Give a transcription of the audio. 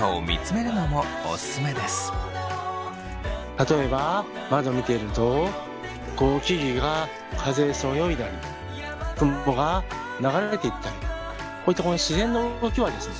例えば窓を見てると木々が風でそよいだり雲が流れていったりこういった自然の動きはですね